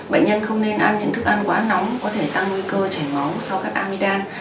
bệnh nhân không nên ăn những thức ăn quá nóng có thể tăng nguy cơ chảy máu sau cắt amidam